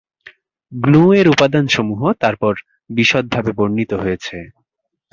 গ্নু-এর উপাদানসমূহ তারপর বিশদভাবে বর্ণিত হয়েছে।